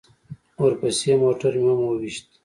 ورپسې موټر مې هم وويشت.